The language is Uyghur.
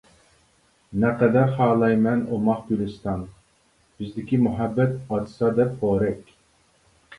نەقەدەر خالايمەن ئوماق گۈلىستان، بىزدىكى مۇھەببەت ئاچسا دەپ پورەك.